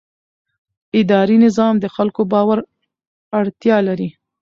اداري نظام د خلکو د باور اړتیا لري.